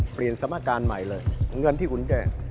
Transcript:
เปลี่ยนสมัครการณ์ใหม่เลยเงินที่คุณได้